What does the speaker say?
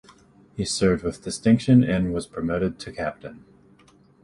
He served with distinction and was promoted to Captain.